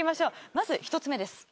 まず１つ目です。